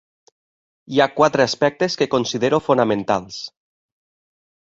Hi ha quatre aspectes que considero fonamentals.